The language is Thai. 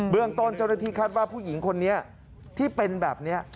เรื่องต้นเจ้าหน้าที่คาดว่าผู้หญิงคนนี้ที่เป็นแบบนี้